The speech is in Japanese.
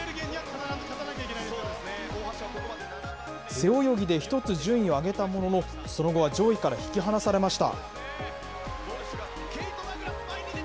背泳ぎで１つ順位を上げたものの、その後は上位から引き離されました。